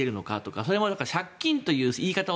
それを借金という言い方を